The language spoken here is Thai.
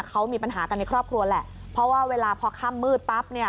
เขามีปัญหากันในครอบครัวแหละเพราะว่าเวลาพอค่ำมืดปั๊บเนี่ย